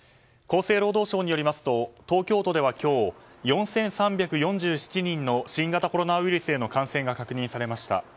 厚生労働省によりますと東京都では今日４３４７人の新型コロナウイルスへの感染が確認されました。